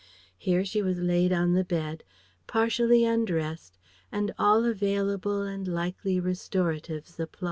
Here she was laid on the bed, partially undressed and all available and likely restoratives applied.